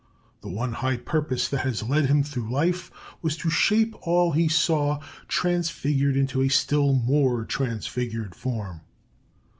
The one high purpose that has led him through life was to shape all he saw transfigured into a still more transfigured form.